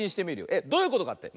えっどういうことかって？